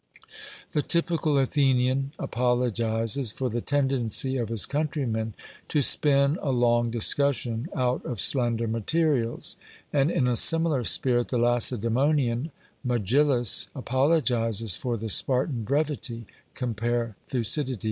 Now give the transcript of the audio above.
The typical Athenian apologizes for the tendency of his countrymen 'to spin a long discussion out of slender materials,' and in a similar spirit the Lacedaemonian Megillus apologizes for the Spartan brevity (compare Thucydid.)